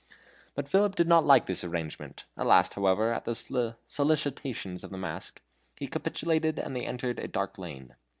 But Philip did not like this arrangement. At last, however, at the solicitations of the mask, he capitulated as they entered a dark lane.